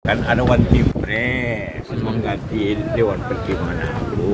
kan ada orang timpres semua mengganti mereka pergi kemana